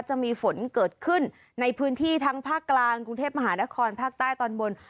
จะมีฝนเกิดขึ้นในพื้นที่ทั้งภาคกลางกรุงเทพมหานครภาคใต้ตอนบน